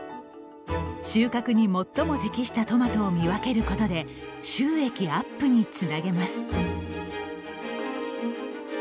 収穫に最も適したトマトを見分けることで収益アップにつなげます。